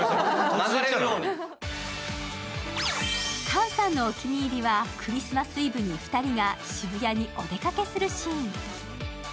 菅さんのお気に入りはクリスマスイブに２人が渋谷にお出かけするシーン。